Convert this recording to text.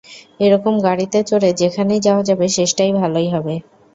এরকম গাড়িতে চড়ে যেখানেই যাওয়া যাবে শেষটাই ভালোই হবে।